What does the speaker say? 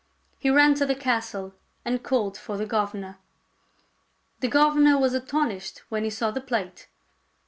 He ran to the castle and called for the governor. The governor was astonished when he saw the plate.